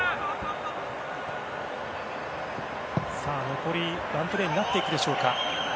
残りワンプレーになってくるでしょうか。